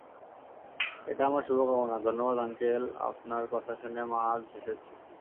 এটা আমার শুভ কামনা - ধন্যবাদ আঙ্কেল, আপনার কথা শুনে মা আজ হেসেছে।